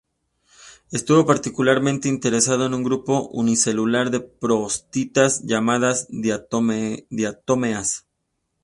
Estuvo particularmente interesado en un grupo unicelular de protistas llamadas diatomeas.